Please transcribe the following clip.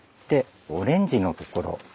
でオレンジのところ。